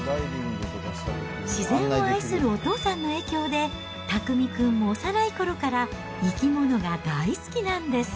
自然を愛するお父さんの影響で、拓海君も幼いころから生き物が大好きなんです。